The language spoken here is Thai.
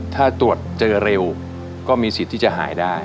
ถ้าตรวจเจอเร็วก็มีสิทธิ์ที่จะหายได้